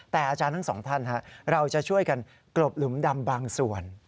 แต่อาจารย์ทั้งสองท่านเราจะช่วยกันกลบหลุมดำบางส่วน